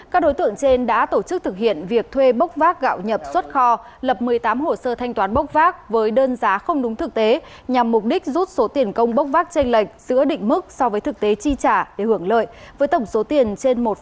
các đối tượng trên đã tổ chức thực hiện việc thuê bốc vác gạo nhập xuất kho lập một mươi tám hồ sơ thanh toán bốc vác với đơn giá không đúng thực tế nhằm mục đích rút số tiền công bốc vác tranh lệch giữa định mức so với thực tế chi trả để hưởng lợi với tổng số tiền trên một tỷ đồng